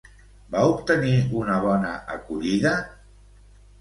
Va obtenir una bona acollida?